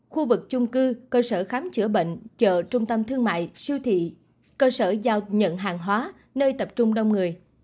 khu vực chung cư cơ sở khám chữa bệnh chợ trung tâm thương mại siêu thị cơ sở giao nhận hàng hóa nơi tập trung đông người